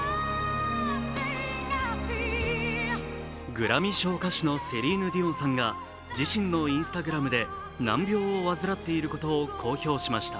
グラミー賞歌手のセリーヌ・ディオンさんが自身のＩｎｓｔａｇｒａｍで難病を患っていることを公表しました。